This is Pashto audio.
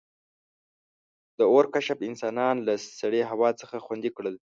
• د اور کشف انسانان له سړې هوا څخه خوندي کړل.